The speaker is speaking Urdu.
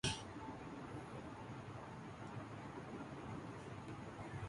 براہ کرم مجھے بتائیں تاکہ میں آپ کی مدد کر سکوں۔